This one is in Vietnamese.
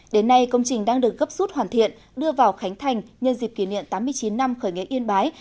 đến nay công trình đang được gấp rút hoàn thiện đưa vào khánh thành nhân dịp kỷ niệm tám mươi chín năm khởi nghĩa yên bái